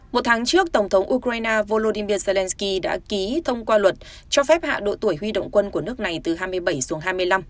một tháng trước tổng thống ukraine volodymyr zelensky đã ký thông qua luật cho phép hạ độ tuổi huy động quân của nước này từ hai mươi bảy xuống hai mươi năm